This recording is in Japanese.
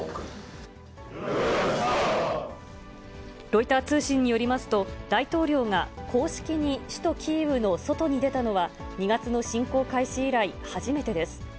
ロイター通信によりますと、大統領が公式に首都キーウの外に出たのは、２月の侵攻開始以来、初めてです。